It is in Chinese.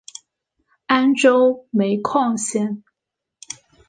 安州煤矿线